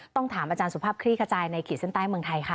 ถามอาจารย์สุภาพคลี่ขจายในขีดเส้นใต้เมืองไทยค่ะ